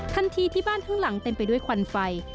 ที่บ้านข้างหลังเต็มไปด้วยควันไฟ